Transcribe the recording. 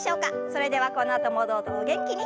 それではこのあともどうぞお元気に。